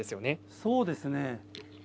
そうですね。